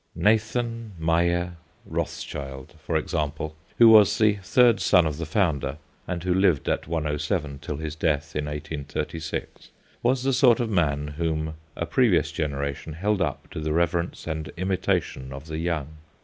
Nathan Meyer Rothschild, for example, who was the third son of the founder, and who lived at 107 till his death in 1836, was the sort of man whom a previous generation held up to the reverence and imitation of the young.